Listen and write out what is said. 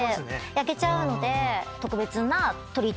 焼けちゃうので。